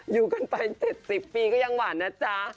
อยู่กันไป๗๐ปีก็ยังหวานนะจ๊ะ